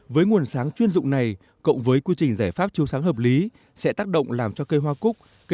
với nguồn sáng chuyên dụng này cộng với quy trình giải pháp chiều sáng hợp lý sẽ tác động làm cho cây hoa cúc